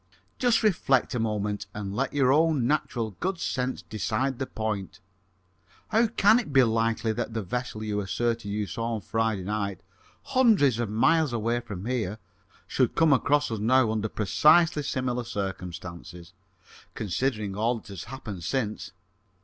"Just reflect a moment and let your own natural good sense decide the point. How can it be likely that the vessel you asserted you saw on Friday night, hundreds of miles away from here, should come across us now under precisely similar circumstances, considering all that has happened since?"